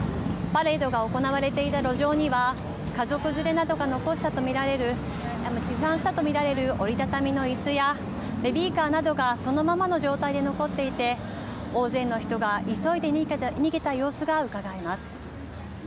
パレードが行われていた路上には家族連れなどが残したと見られる持参したと見られる折り畳みのいすやベビーカーなどがそのままの状態で残っていて大勢の人が急いで逃げた様子がうかがえます。